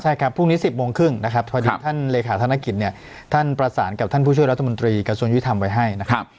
ใช่ครับพรุ่งนี้๑๐โมงครึ่งนะครับพอดีท่านเลขาธนกิจเนี่ยท่านประสานกับท่านผู้ช่วยรัฐมนตรีกระทรวงยุทธรรมไว้ให้นะครับ